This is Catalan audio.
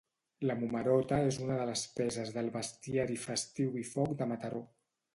La Momerota és una de les peces del bestiari festiu i foc de Mataró